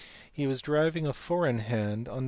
He was driving a four in hand on Nov.